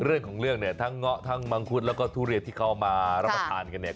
เรื่องของเรื่องเนี่ยทั้งเงาะทั้งมังคุดแล้วก็ทุเรียนที่เขามารับประทานกันเนี่ย